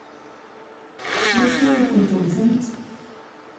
S wacu ay kent-wtent?